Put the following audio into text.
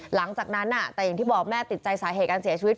หลังจากนั้นแต่อย่างที่บอกแม่ติดใจสาเหตุการเสียชีวิต